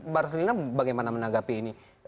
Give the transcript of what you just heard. baris lina bagaimana menanggapi ini